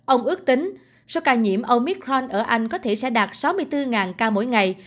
ông ước tính số ca nhiễm omicron ở anh có thể sẽ đạt sáu mươi bốn ca mỗi ngày